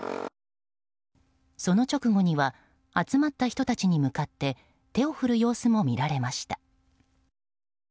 その直後には集まった人たちに向かって手を振る様子も見られました。